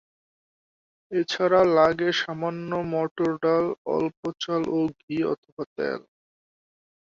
এছাড়া লাগে সামান্য মটর ডাল, অল্প চাল ও ঘি অথবা তেল।